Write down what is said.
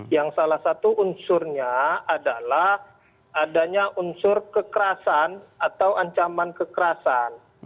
yang salah satu unsurnya adalah adanya unsur kekerasan atau ancaman kekerasan